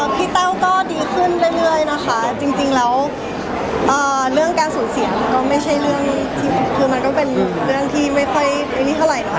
แต้วก็ดีขึ้นเรื่อยนะคะจริงแล้วเรื่องการสูญเสียมันก็ไม่ใช่เรื่องที่คือมันก็เป็นเรื่องที่ไม่ค่อยมีเท่าไหร่นะคะ